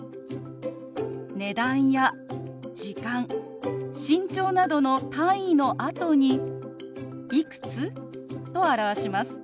値段や時間身長などの単位のあとに「いくつ？」と表します。